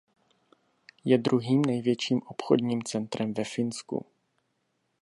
Je druhým největším obchodním centrem ve Finsku.